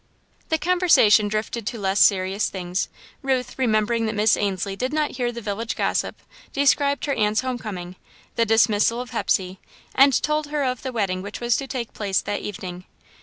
The conversation drifted to less serious things. Ruth, remembering that Miss Ainslie did not hear the village gossip, described her aunt's home coming, the dismissal of Hepsey, and told her of the wedding which was to take place that evening.